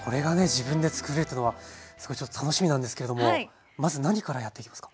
自分でつくれるというのはすごいちょっと楽しみなんですけれどもまず何からやっていきますか？